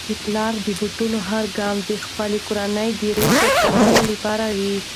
د پلار د بوټانو هر ګام د خپلې کورنی د رزق ګټلو لپاره وي.